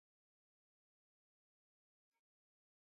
wa amani na serikali ya jamuhuri ya kidemokrasia ya Kongo